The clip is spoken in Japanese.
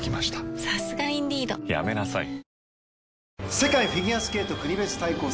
世界フィギュアスケート国別対抗戦